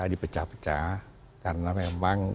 dipecah pecah karena memang